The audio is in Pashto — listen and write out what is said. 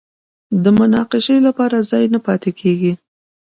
د مناقشې لپاره ځای نه پاتې کېږي